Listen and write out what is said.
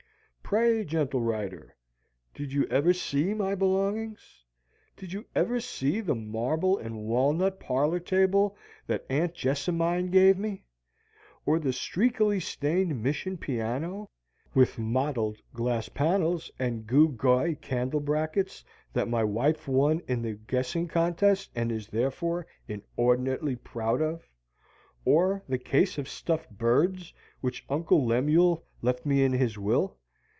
Pray, gentle writer, did you ever see my belongings? Did you ever see the marble and walnut parlor table that Aunt Jessamine gave me; or the streakily stained Mission piano, with mottled glass panels and gew gawy candle brackets, that my wife won in the guessing contest and is therefore inordinately proud of; or the case of stuffed birds which Uncle Lemuel left me in his will?